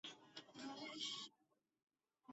分页是虚拟记忆体技术中的重要部份。